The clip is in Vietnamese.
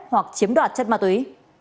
hoặc chiếm đoạt chất ma túy